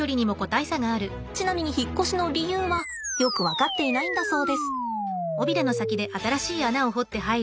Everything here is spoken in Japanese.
ちなみに引っ越しの理由はよく分かっていないんだそうです。